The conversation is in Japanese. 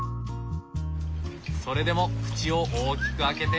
それでも口を大きく開けて。